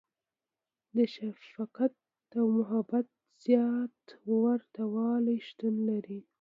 • د شفقت او محبت زیات ورتهوالی شتون لري.